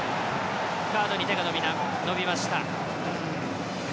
カードに手が伸びました。